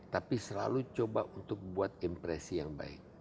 tapi selalu coba untuk buat impresi yang baik